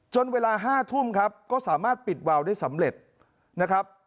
เวลา๕ทุ่มครับก็สามารถปิดวาวได้สำเร็จนะครับ